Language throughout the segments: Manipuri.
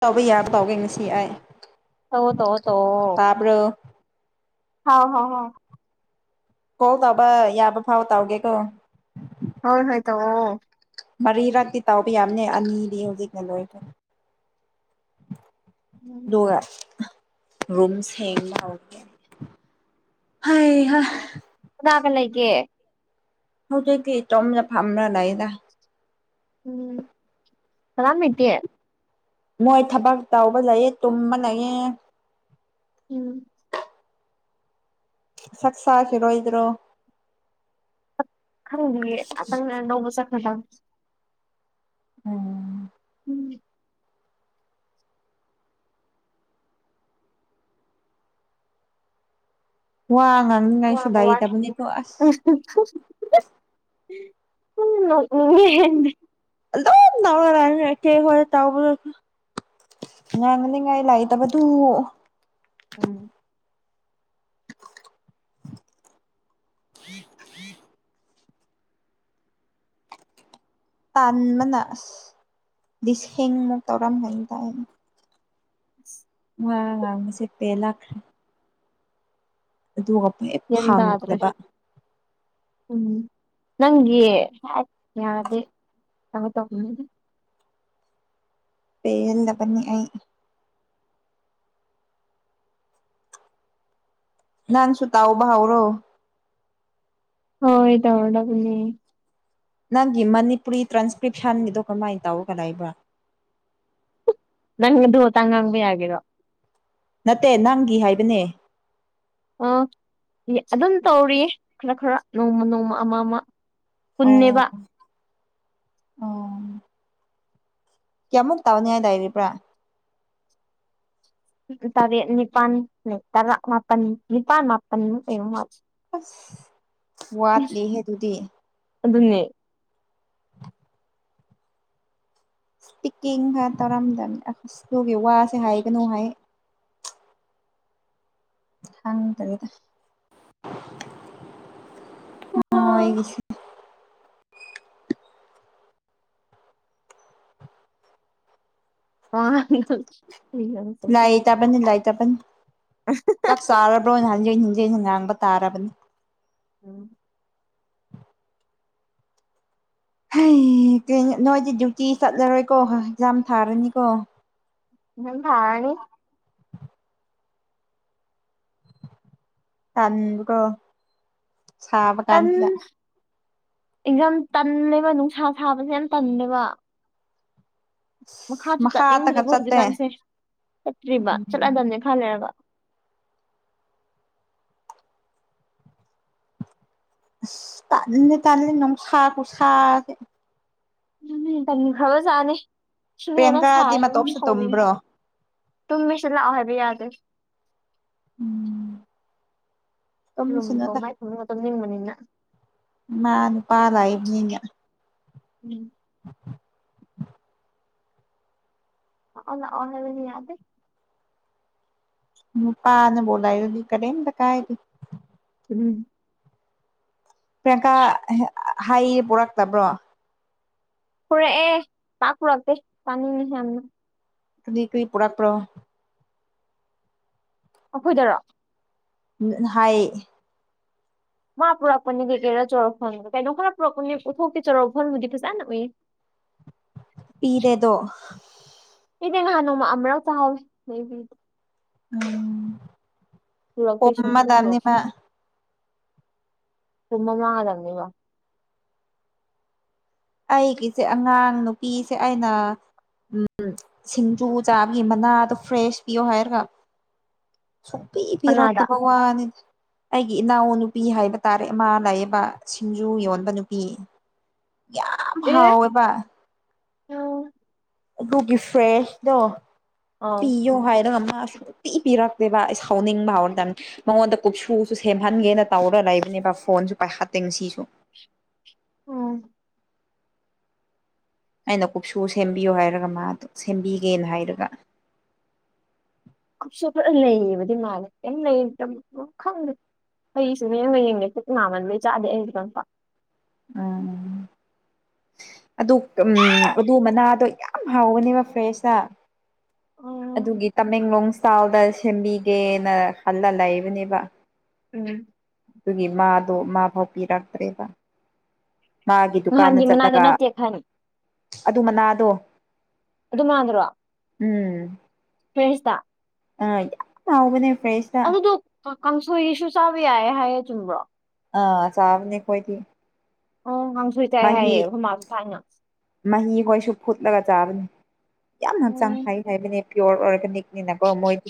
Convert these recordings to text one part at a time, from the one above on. ꯇꯕ ꯌꯥꯕ ꯄꯥꯎꯒꯦ ꯉꯁꯤ ꯑꯥꯏ ꯇꯧꯑꯣ ꯇꯧꯑꯣ ꯇꯧꯑꯣ ꯍꯥꯎ ꯍꯥꯎ ꯍꯥꯎ ꯀꯣꯜ ꯇꯧꯕ ꯌꯥꯕ ꯐꯥꯎ ꯇꯥꯎꯒꯦ ꯀꯣ ꯍꯣꯏ ꯍꯣꯏ ꯇ ꯑꯣ ꯃꯔꯤꯔꯛꯇꯤ ꯇꯥꯎꯕ ꯌꯥꯅꯦ ꯑꯅꯤꯗꯤ ꯍꯧꯖꯤꯛꯅ ꯂꯣꯏꯈ꯭ꯔꯦ ꯎꯝ ꯗꯒ ꯔꯨꯝ ꯁꯦꯡꯕ ꯍꯧꯒꯦ ꯍꯩꯍꯥ ꯇꯥꯕ ꯂꯩꯀꯦ ꯍꯧꯖꯤꯛꯇꯤ ꯏ ꯆꯣꯝꯅ ꯐꯝꯅ ꯂꯩꯗ ꯎꯝ ꯑꯃꯦꯠꯇꯦ ꯃꯣꯏ ꯊꯕꯛ ꯇꯧꯕ ꯂꯩꯑꯦ ꯇꯨꯝꯕ ꯂꯩꯌꯦ ꯎꯝ ꯁꯛꯁꯁꯤ ꯔꯣꯍꯤꯗ꯭ꯔꯣ ꯈꯪꯦ ꯑ ꯅꯧꯧꯕ ꯆ ꯈꯗ [unintelligible] ꯎꯝ ꯎꯝ ꯋꯥꯉ ꯋꯥꯒ ꯋꯥꯏ [unintelligible] ꯍꯨꯝ ꯅꯣꯡꯅꯤꯡꯉꯦ ꯑꯗꯨꯝ ꯇꯧꯔ ꯂꯔꯕ ꯂꯩꯇꯦ ꯑꯈꯣꯏ ꯊꯧꯕꯗꯣ ꯉꯥꯡꯒꯅꯤꯡꯉꯥꯏ ꯂꯩꯇꯕꯗꯨ ꯎꯝ [unintelligible] ꯇꯥꯟꯕꯅ ꯑꯁ ꯂꯤꯗꯤꯁꯦꯡꯃ ꯇꯧꯔꯝꯒꯟ ꯇꯥꯏ ꯎꯝ ꯋꯥ ꯉꯥꯢꯕꯁꯦ ꯄꯦꯂꯛꯈ꯭ꯔ‌ꯦ ꯑꯗꯨꯒ ꯍꯦꯛ ꯐꯪꯗꯕ ꯎ ꯝ ꯅꯪꯒꯤ ꯌꯥꯔꯗꯤ [unintelligible] ꯄꯦꯟꯗꯕꯅꯤ ꯑꯩ ꯅꯥꯟꯁꯨ ꯇꯧꯕꯥꯍꯧꯔꯣ ꯍꯣꯏꯍ‌ꯣꯏ ꯇꯧꯔꯗꯕꯅ‌ꯦ ꯅꯪꯒꯤ ꯃꯅꯤꯄꯨꯔꯤ ꯇ꯭ꯔꯥꯟꯁꯀ꯭ꯔꯤꯞꯁꯟꯒꯤꯗꯣ ꯀꯃꯥꯏꯅ ꯇꯧꯔꯒꯂꯩꯕ꯭ꯔꯥ ꯅꯪꯗꯨ ꯃꯇꯥꯡ ꯉꯥꯡꯕ ꯍꯥꯏꯒꯤꯔꯣ ꯅꯠꯇꯦ ꯅꯪꯒꯤ ꯍꯥꯏꯕꯅꯦ ꯑ ꯑꯗꯨꯝ ꯇꯧꯔꯤꯌꯦ ꯈꯔ ꯈꯔ ꯅꯣꯡꯃ ꯅꯣꯡꯃ ꯑꯃ ꯑꯃ ꯄꯨꯟꯅꯦꯕ ꯑꯣ ꯑꯣ ꯀꯦꯃꯣ ꯇꯥꯥꯎꯅꯤ ꯍꯥꯏꯥꯏ ꯗꯏꯔꯤ ꯄ꯭ꯔꯥ ꯇꯔ ꯅꯤꯄꯥꯟ ꯇꯔ ꯃꯥꯄꯅꯤꯄꯥꯟ ꯃꯥꯄ ꯑꯁ ꯋꯥꯠ ꯂꯩꯍꯦ ꯑꯗꯨꯗꯤ ꯑꯗꯨꯅꯦ ꯏꯁꯄꯤꯛꯀꯤꯡꯒ ꯇꯧꯔꯝꯗꯥꯃꯦ ꯏꯁꯤꯒꯤ ꯋꯥꯁꯦ ꯍꯥꯏꯒꯅꯨ ꯍꯥꯏ ꯈꯪꯗ꯭ꯔꯦꯗꯥ ꯑꯣ ꯑꯩꯒꯤꯁ ꯑ [unintelligible] ꯂꯥꯏ ꯇꯕꯅꯤ ꯂꯥꯏ ꯆꯄ ꯇꯞ ꯁꯔꯥ ꯄ꯭ꯔꯣ ꯍꯥꯏ ꯑꯖꯕ ꯃꯇꯝꯥꯕꯅꯤ ꯎꯝ ꯀ ꯅꯣꯏꯗꯤ ꯗ꯭ꯌꯨꯇꯤ ꯆꯠꯂꯔꯣꯏꯀꯣ ꯑꯦꯛꯖꯥꯝ ꯊꯥꯔꯅꯤꯀꯣ ꯎ ꯐꯅꯤ ꯊꯥꯡꯀꯣ ꯁꯥꯕ ꯀꯥꯟꯁꯤꯗ ꯑꯦꯖ ꯇꯜꯂꯦꯕ ꯅꯨꯡꯁꯥ ꯁꯥꯕꯁꯦ ꯌꯥꯝ ꯇꯟꯂꯦꯕ ꯃꯈꯥꯁꯨ ꯃꯈꯥꯗꯒ ꯆꯠꯅꯤꯡꯗ꯭ꯔꯔꯤꯕꯣ ꯆꯠꯇꯦ ꯍꯧꯖꯤꯛꯀꯥꯟꯁꯦ ꯆꯠꯇ꯭ꯔꯤꯕ ꯆꯠꯂꯗꯝꯕꯅꯦ ꯈꯜꯂꯦꯔꯕ ꯇ ꯇꯥꯟ ꯅ ꯁꯒꯣ ꯁꯥꯁꯦ ꯎꯅꯤ ꯈꯔꯖꯥꯅꯤ ꯁꯨꯝ ꯍꯦꯟꯅ ꯁꯥꯏ ꯄ꯭ꯔꯤꯌꯥꯡꯀꯥꯗꯤ ꯑꯗꯨꯝ ꯃꯇꯣꯝꯇ ꯁꯧ ꯇꯨꯝꯕ꯭ꯔꯣ ꯇꯨꯝꯃꯤꯁꯨ ꯂꯥꯛꯑꯣ ꯍꯥꯏꯕ ꯌꯥꯗ꯭ꯔꯦ ꯎꯝ ꯎꯝ ꯇꯨꯝꯁꯅꯨꯗ ꯀꯣꯃꯥꯏ ꯊ ꯃꯝꯅꯤ ꯅꯤꯡ ꯃꯅꯤꯅ ꯃꯥꯅꯤ ꯄꯥ ꯂꯑꯅꯤꯅ ꯎꯝ [unintelligible] ꯑꯣ ꯍꯕꯅꯤ ꯌꯥꯗꯦ ꯃꯨ ꯄꯥꯅ ꯣꯂꯥꯏ ꯀꯔꯤꯝꯇꯥ ꯀꯥꯏꯗꯦ ꯎꯝ ꯄ꯭ꯌꯥꯡꯀꯥ ꯍꯥꯏꯌꯦ ꯄꯣꯔꯛꯇꯕ꯭ꯔꯣ ꯐꯨꯔꯦ ꯑꯦ ꯄꯥꯛꯨꯔꯛꯗꯦ ꯇꯅꯤꯅꯦꯁꯤ ꯌꯥꯝꯝꯅ ꯀ ꯀꯔꯤ ꯄꯨꯔꯛꯄ꯭ꯔꯣ ꯑꯩꯈꯣꯏꯗꯔꯣ ꯎꯝ ꯍꯥꯏ ꯃꯥ ꯄꯨꯔꯛꯄꯅꯤ ꯀꯩꯀꯩꯔꯥ ꯆꯥꯎꯔꯥꯛꯐꯝ ꯀꯩꯅꯣ ꯈꯔ ꯄꯨꯔꯛꯄꯅꯤ ꯄꯨꯊꯣꯛꯇꯦ ꯆꯥꯎꯔꯥꯛꯐꯝꯕꯨꯗꯤ ꯐꯖꯅ ꯎꯏ ꯄꯤꯗꯦꯗꯣ ꯏꯗꯤ ꯅꯥꯅ ꯍꯅ ꯆꯥꯎ ꯅꯕ ꯎꯝ ꯑꯣꯃꯗꯝꯅꯤꯃ ꯊꯃ ꯃꯥꯡꯉ ꯂꯅꯤ ꯋꯥ ꯑꯩꯒꯤꯁꯦ ꯑꯉꯥꯡ ꯅꯨꯄꯤꯁꯦ ꯑꯩꯅ ꯁꯤꯡꯖꯨ ꯆꯥꯕꯒꯤ ꯃꯅꯥꯗꯣ ꯐ꯭ꯔꯦꯁ ꯄꯤꯌꯣ ꯍꯥꯏꯔꯒ ꯁꯨꯡ ꯄ ꯀꯅꯥꯗ ꯄꯤꯔꯛꯇꯕ ꯋꯥꯅꯤꯗ ꯑꯩꯒꯤ ꯏꯅꯥꯎ ꯅꯨꯄꯤ ꯍꯥꯏꯕ ꯇꯥꯔꯦꯃ ꯂꯌꯦꯕ ꯁꯤꯡꯖꯨ ꯌꯣꯟꯕ ꯅꯨꯄꯤ ꯌꯥꯝ ꯍꯥꯎꯋꯦꯕ ꯎ ꯑꯗꯨꯒꯤ ꯐꯔ꯭ꯦꯁ ꯗꯣ ꯑꯧ ꯄꯤꯌꯣ ꯍꯥꯏꯔꯒ ꯃꯥ ꯁꯨꯪꯡꯄꯤ ꯄꯤꯔꯛꯇꯦꯕ ꯑꯩ ꯁꯥꯎꯅꯤꯡꯕ ꯍꯧꯔ ꯇꯅꯤ ꯃꯉꯣꯟꯗ ꯀꯨꯞꯁꯨꯁꯨ ꯁꯦꯝꯍꯟꯒꯦꯅ ꯇꯧꯔꯒ ꯂꯩꯕꯅꯦꯕ ꯐꯣꯟꯁꯨ ꯄꯥꯏꯍꯠꯇꯦ ꯁꯤꯁꯨ ꯎꯝ ꯑꯩꯅ ꯀꯨꯞꯁꯨ ꯁꯦꯝꯕꯤꯌꯨ ꯍꯥꯏꯔꯒ ꯃꯥꯗꯣ ꯁꯦꯝꯕꯤꯒꯦꯅ ꯍꯥꯏꯔꯒ ꯀꯨꯞꯁꯨ ꯈꯔ ꯂꯩꯌꯦꯕꯗꯤ ꯃꯥꯜꯂꯦ ꯀꯝ ꯂꯩꯇ ꯈꯪꯗꯦ ꯍꯩꯁꯨ ꯃꯡꯅ ꯌꯦꯡꯗꯦ ꯏꯃꯃꯟꯕꯩ ꯆꯥꯗꯦ ꯑꯩꯅ ꯈꯤꯇꯪ ꯄ ꯎꯝ ꯑꯗꯨ ꯎ ꯑꯗꯨ ꯃꯅꯥꯗꯣ ꯌꯥꯝ ꯍꯥꯎꯒꯅꯦꯕ ꯐ꯭ꯔꯦꯁꯇ ꯎꯝ ꯑꯗꯨꯒꯤ ꯇꯃꯦꯡꯂꯣꯡ ꯁ꯭ꯇꯥꯜꯗ ꯁꯦꯝꯕꯤꯒꯦꯅ ꯍꯜꯂ ꯂꯩꯏꯕꯅꯦꯕ ꯎꯝ ꯑꯗꯨꯒꯤ ꯃꯥꯗꯣ ꯃꯥ ꯐꯥꯎ ꯄꯤꯔꯛꯇ꯭ꯔꯦꯕ ꯃꯥꯒꯤ ꯗꯨꯀꯥꯟꯗ ꯅꯍꯥꯟꯗꯤ ꯃꯅꯥꯗꯣ ꯆꯠꯂꯒ ꯅꯠꯇꯦ ꯈꯟ ꯑꯗꯨ ꯃꯅꯥꯗꯣ ꯑꯗꯨ ꯃꯥꯟꯗ꯭ꯔꯣ ꯎꯝ ꯐ꯭ꯔꯦꯁꯇ ꯑ ꯌꯥꯝꯎꯕꯅꯦ ꯐꯔꯦꯁꯇ ꯀꯥꯡꯁꯣꯏꯁꯨ ꯆꯥꯕ ꯌꯥꯏ ꯍꯥꯏꯌꯦ ꯆꯨꯝꯕ꯭ꯔꯣ ꯑꯥ ꯆꯕꯅꯤ ꯈꯣꯏꯗꯤ ꯑꯣ ꯀꯥꯡꯁꯣꯏ ꯆꯥꯏ ꯍꯥꯏꯌꯦ ꯑꯩꯈꯣꯏꯃꯥꯁꯨ ꯊꯥꯏꯅ ꯃꯍꯤꯈꯣꯏꯁꯨ ꯐꯨꯠꯂꯒ ꯆꯥꯔꯅꯤ ꯌꯥꯝꯅ ꯍꯛꯆꯥꯡ ꯎꯝ ꯐꯥꯏ ꯍꯥꯏꯕꯅꯦ ꯄꯤꯌꯣꯔ ꯑꯣꯏꯕꯅꯤ ꯅꯤꯅꯀꯣ ꯃꯣꯏꯗꯤ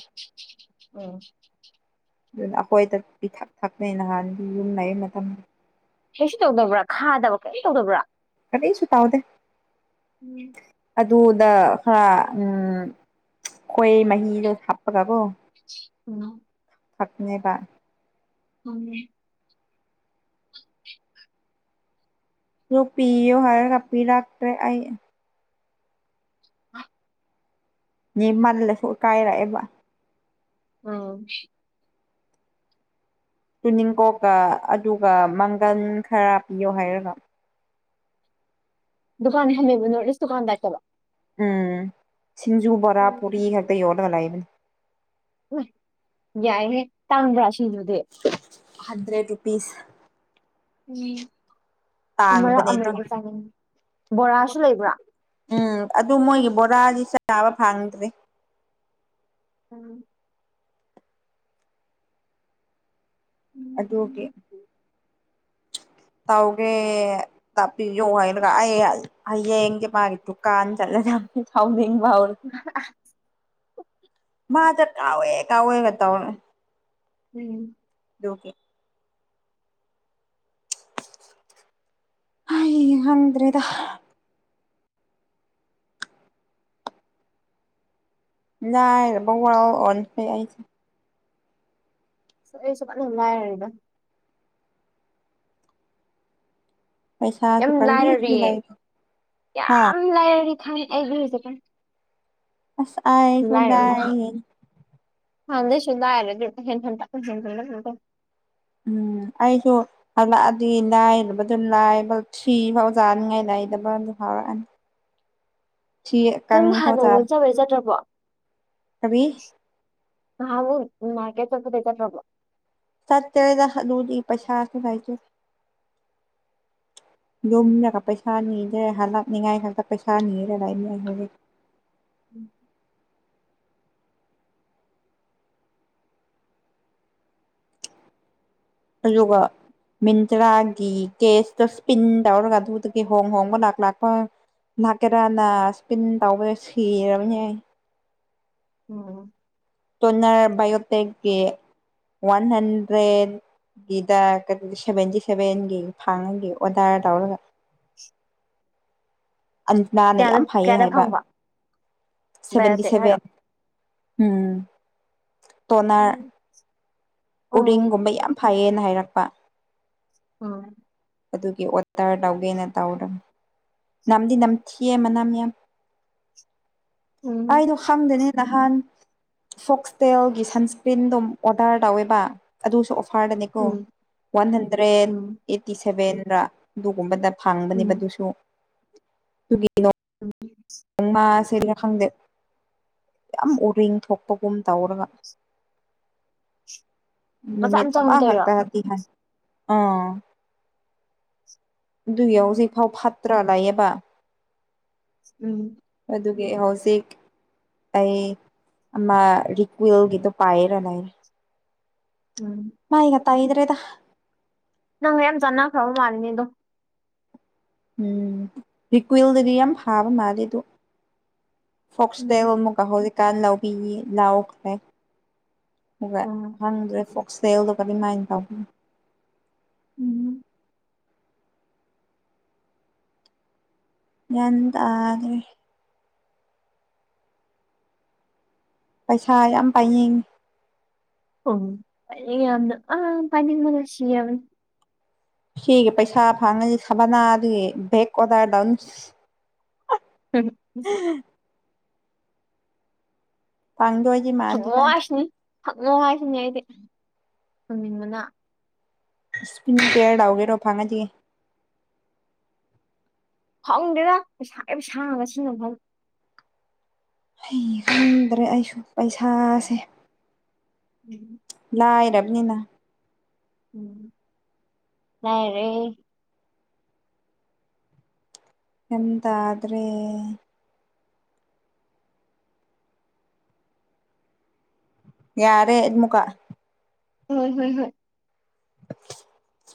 ꯎꯝ ꯑꯗꯨꯅ ꯑꯩꯈꯣꯏꯗ ꯄꯤꯊꯛ ꯊꯛꯅꯩ ꯅꯍꯥꯟꯗꯤ ꯌꯨꯝ ꯂꯩꯩ ꯃꯇꯝꯗ ꯑꯦꯁ ꯇꯧꯗꯕ꯭ꯔꯥ ꯈꯥꯗꯕꯔ ꯀꯔꯤꯁꯨ ꯇꯧꯗꯕ꯭ꯔꯥ ꯀꯔꯤꯁꯨ ꯇꯥꯎꯗꯦ ꯎꯝ ꯑꯗꯨꯗ ꯈꯔ ꯈꯣꯍꯤ ꯃꯍꯤꯗꯣ ꯍꯥꯞꯄꯒꯕꯣ ꯎ ꯊꯛꯄꯅꯦꯕ ꯎꯝ ꯔꯨꯄꯤ ꯌꯣꯍꯔ ꯍꯥꯄꯤ ꯂꯥꯛꯇꯔ ꯍꯥꯏ ꯑ ꯃꯤ ꯃꯜꯂꯁꯨ ꯀꯥꯏꯔꯑꯦꯕ ꯑꯥ ꯇꯨꯅꯤꯡꯈꯣꯛꯀ ꯑꯗꯨꯒ ꯃꯪꯒꯟ ꯈꯔ ꯄꯤꯌꯣ ꯍꯥꯏꯔꯒ ꯗꯨꯀꯥꯟ ꯍꯪꯅꯤꯕ ꯅꯣꯠ ꯏꯁ ꯗꯨꯀꯥꯟ ꯅꯠꯇꯕ ꯎꯝ ꯁꯤꯡꯖꯨ ꯕꯣꯔꯥ ꯎꯝ ꯄꯨꯔꯤ ꯍꯥꯏ ꯀ ꯌꯣꯅ ꯃ ꯂꯥꯏꯕ ꯌꯥꯏꯍꯦ ꯇꯥꯡꯕ꯭ꯔꯥ ꯁꯤꯅꯗꯤ ꯍꯟꯗ꯭ꯔꯦꯠ ꯔꯨꯄꯤꯁ ꯎꯝ ꯑꯃꯔꯛ ꯇꯥꯡꯕꯅꯦ ꯑꯗꯨ ꯑꯃꯔꯛ ꯆꯅꯤꯡ ꯕꯣꯔꯥꯁꯨ ꯂꯩꯕ꯭ꯔꯥ ꯎꯝ ꯑꯗꯨ ꯃꯣꯏꯒꯤ ꯕꯣꯔꯥꯁꯤ ꯆꯥꯕ ꯐꯪꯗ꯭ꯔꯦ ꯎꯝ ꯑꯗ ꯎꯝ ꯑꯣꯀꯦ ꯇꯥꯎꯒ ꯇ ꯌ ꯍꯥꯏꯔꯌꯦ ꯑꯌꯦ ꯌꯦꯡꯦ ꯃꯥꯒꯤ ꯗꯨꯀꯥꯟ ꯆꯠ ꯊꯥꯎ [inaudible] ꯃꯥ ꯆ ꯀꯥꯥꯎꯋ ꯑꯣꯏ ꯀꯥꯎꯦ ꯀꯇꯧꯅꯦ ꯎꯝ ꯗꯀꯦ ꯑꯩ ꯍꯪꯗ꯭ꯔꯦꯗ ꯂꯥꯏꯌꯕ ꯋꯥꯎ ꯑꯣꯅꯈꯔ꯭ꯦ ꯑꯩꯁꯨꯄꯅꯅꯨꯡꯉꯥꯏꯔꯗ ꯄꯩꯁꯥꯁꯨ ꯌꯥꯝ ꯀꯔꯤꯁꯨ ꯂꯥꯏꯔꯔꯤꯌꯦ ꯂꯩꯇꯦ ꯍꯥ ꯌꯥꯝ ꯂꯥꯏꯔꯔꯤ ꯈꯥꯟ ꯑꯦꯕꯤꯖꯕ ꯑꯁꯑ ꯈꯨꯗꯥꯑ ꯍꯥꯟꯗ ꯁꯗ ꯍꯥꯏꯔ ꯈꯟ ꯎꯝ ꯑꯩꯁꯨ ꯍꯜꯂꯛꯑꯗꯤ ꯂꯥꯏꯔꯕꯗꯨ ꯂꯥꯏꯕ ꯊ꯭ꯔꯤ ꯐꯥꯎꯖꯥꯅꯤꯉꯥꯏ ꯂꯩꯗꯕ ꯑꯗꯨ ꯐꯥꯎꯔꯛꯑꯅꯤ ꯅꯪ ꯍꯥꯟ ꯅꯣꯡꯉꯣꯟꯅ ꯆꯥꯕ ꯆꯥꯗ꯭ꯔꯕꯣ ꯀꯔꯤ ꯍꯕꯨ ꯃꯥꯔꯀꯦꯠ ꯆꯣꯕꯂꯦꯝ ꯆꯠꯔꯗ ꯑꯗꯨꯗꯤ ꯄꯩꯁꯥꯁꯨ ꯂꯩꯖꯦ ꯌꯔꯒ ꯄꯩꯁꯥ ꯅꯤꯗꯦ ꯍꯥꯂꯛꯅꯤꯡꯉꯥꯏ ꯍꯛꯇ ꯄꯩꯁꯥ ꯅꯤꯔꯦ ꯂꯩꯉꯦ ꯑꯗꯨꯒ ꯃꯤꯟꯇꯔꯥꯒꯤ ꯀꯦꯁꯇꯣ ꯏꯁꯄꯤꯟ ꯇꯧꯔꯒ ꯑꯗꯨꯗꯒꯤ ꯍꯣꯡ ꯍꯣꯡꯕ ꯂ ꯂꯥꯛꯄ ꯂꯥꯛꯀꯦꯔꯥꯅ ꯏꯁꯄꯤꯟ ꯇꯧꯕ ꯁꯤꯔꯕꯅꯦ ꯎꯝ ꯇꯣꯅꯔ ꯕꯥꯏꯌꯑꯣꯇꯦꯛꯀꯤ ꯋꯥꯟ ꯍꯟꯗ꯭ꯔꯦꯠꯀꯤꯗ ꯁꯚꯦꯟꯇꯤ ꯁꯚꯦꯟꯒꯤ ꯐꯥꯡꯉꯒꯦ ꯑꯣꯔꯗꯔ ꯇꯧꯔꯒ [inaudible] ꯑꯅꯥꯅ ꯀꯌꯥꯗ ꯌꯥꯝ ꯐꯩꯌꯦ ꯀꯌꯥꯗ ꯍꯥꯏꯕ ꯐꯪꯕ ꯁꯚꯦꯟꯇꯤ ꯕꯥꯏꯑꯣꯇꯦꯛ ꯍꯥꯏꯔꯣ ꯁꯚꯦꯟ ꯎꯝ ꯇꯣꯅꯔ ꯎꯝ ꯎꯝ ꯎꯔꯤꯡꯒꯨꯝꯕ ꯌꯥꯝ ꯐꯌꯦꯅ ꯍꯥꯏꯔꯛꯄ ꯍꯝ ꯑꯗꯨꯒꯤ ꯑꯣꯗꯔ ꯇꯧꯒꯦꯅ ꯇꯧꯔꯕ ꯅꯝꯗꯤ ꯅꯝꯊꯤꯌꯦ ꯃꯅꯝ ꯌꯥꯝ ꯎꯝ ꯑꯩꯥꯏꯗꯣ ꯈꯪꯗꯅꯦ ꯅꯍꯥꯟ ꯐꯣꯛꯁꯇꯦꯜꯒꯤ ꯁꯟꯁꯀ꯭ꯔꯤꯟ ꯑꯗꯨꯝ ꯑꯣꯔꯗꯔ ꯇꯧꯋꯦ ꯑꯗꯨꯁꯨ ꯐꯥꯗꯅꯦꯀꯣ ꯎꯝ ꯋꯥꯟ ꯍꯟꯗ꯭ꯔꯦꯠ ꯎꯝ ꯑꯩꯠꯇꯤ ꯁꯦꯚꯦꯟ ꯑꯗꯨꯒꯨꯝꯕ ꯎꯝ ꯊꯥꯡꯕꯅꯦꯕꯗꯨꯁꯨ ꯇꯒꯤ ꯎꯝ ꯅꯪ ꯃꯥ ꯁꯔꯤꯒ ꯈꯪꯗꯦ ꯌꯥꯝ ꯎꯔꯤꯡ ꯊꯣꯛꯄꯒꯨꯝ ꯇꯧꯔꯒ ꯃꯆꯥ ꯅꯨꯃꯤ ꯃꯆꯥ ꯊꯃ ꯑꯗꯨꯝ ꯇꯧꯔꯤꯔꯣ ꯍꯥꯥꯛꯛꯇ ꯍꯥꯏ ꯑꯥ ꯨꯏ ꯌꯥ ꯎꯝ ꯆꯖꯤꯐꯥꯎ ꯐꯠ ꯎꯨꯇ꯭ꯔꯥ ꯂꯌꯦꯕ ꯎꯝ ꯑꯗꯨꯒꯤ ꯍꯧꯖꯤꯛ ꯑꯩ ꯑꯃ ꯔꯤꯀ꯭ꯋꯤꯜꯒꯤꯗꯣ ꯄꯥꯏꯔ ꯂꯩꯔꯦ ꯎꯝ ꯥꯏ ꯉꯇ ꯏꯗ꯭ꯔꯦꯗ ꯅꯪ ꯃꯌꯥꯝ ꯆꯥꯟꯅꯈ꯭ꯔꯕ ꯃꯥꯜꯂꯤꯅꯦ ꯑꯗꯣ ꯎꯝ ꯔꯤꯀ꯭ꯋꯜꯗꯔꯤ ꯌꯥꯝ ꯍꯥꯕ ꯃꯥꯂꯦꯗꯨ ꯎꯝ ꯐꯣꯛꯁꯇꯦꯜ ꯑꯃꯀꯥꯍꯣꯜ ꯀꯥꯟ ꯂꯧꯕꯤ ꯂꯥꯎꯈ꯭ꯔꯦ ꯍ ꯎꯝ ꯍꯪꯗ꯭ꯔꯦ ꯐ ꯁꯦꯜꯗꯣ ꯀꯔꯤꯝꯃꯥꯏꯅ ꯇꯧꯒꯦ ꯎꯝ ꯌꯦꯇꯥꯦ ꯄꯩꯁꯥ ꯌꯥꯝ ꯄꯥꯏꯌꯦꯡ ꯑꯣ ꯑ ꯄꯅꯤꯡ ꯃꯗ ꯁꯤꯌꯥꯃꯟ ꯁꯤꯒꯤ ꯄꯩꯁꯥ ꯐꯥꯉꯅꯤ ꯁꯥꯕꯅꯥ ꯑꯗꯨꯒꯤ ꯕꯦꯛ ꯑꯣꯗꯔꯗꯎꯟ ꯎꯝ ꯄꯥꯡꯗꯣꯛꯑꯗꯤ ꯃꯥꯥꯟꯗꯤ ꯃꯥꯥꯟꯗꯦ ꯍꯛꯉꯣ ꯍꯥꯏꯁꯤꯅꯦ ꯑꯩꯗꯤ ꯊꯝꯅꯤꯡꯕꯅ ꯄꯤ ꯀꯦꯔꯔꯎꯒꯦꯔꯣ ꯐꯥꯡꯉ ꯆꯦ ꯐꯪꯗꯦꯅ ꯄꯩꯁꯥ ꯁꯥꯡꯉꯁꯨ ꯅꯐꯝꯪ ꯍꯩ ꯈꯪꯗ꯭ꯔꯦ ꯑꯩꯁꯨ ꯄꯩꯁꯥꯁꯦ ꯎꯝ ꯂꯥꯏꯔꯕꯅꯤꯅ ꯎꯝ ꯔꯦ ꯍꯟꯗꯗ꯭ꯔꯦ ꯌꯥꯔꯦꯃꯀꯥ ꯍꯣꯏ ꯍꯣꯏ ꯍꯣꯏ [unintelligible]